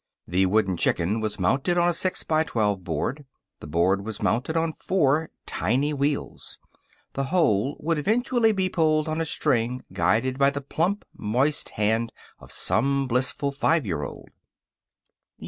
The wooden chicken was mounted on a six by twelve board. The board was mounted on four tiny wheels. The whole would eventually be pulled on a string guided by the plump, moist hand of some blissful five year old.